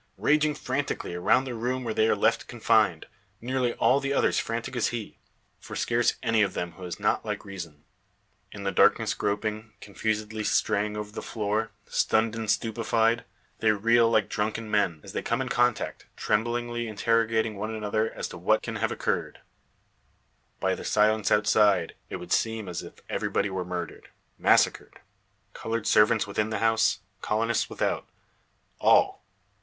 Raging frantically around the room where they are left confined, nearly all the others frantic as he. For scarce any of them who has not like reason. In the darkness groping, confusedly straying over the floor, stunned and stupified, they reel like drunken men; as they come in contact tremblingly interrogating one another as to what can have occurred. By the silence outside it would seem as if everybody were murdered, massacred coloured servants within the house, colonists without all!